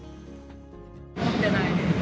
持ってないです。